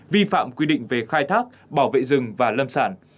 vi phạm quy định về khai thác bảo vệ rừng và lâm sản